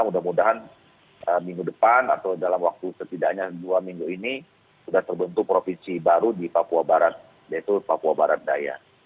mudah mudahan minggu depan atau dalam waktu setidaknya dua minggu ini sudah terbentuk provinsi baru di papua barat yaitu papua barat daya